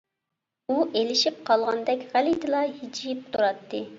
ئۇ ئېلىشىپ قالغاندەك غەلىتىلا ھىجىيىپ تۇراتتى.